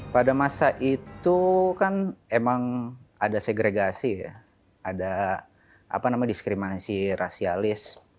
pada masa itu kan emang ada segregasi ya ada diskriminasi rasialis